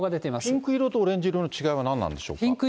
ピンク色とオレンジ色の違いは何なんでしょうか。